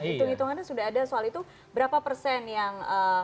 itung itungannya sudah ada soal itu berapa persen yang non partisan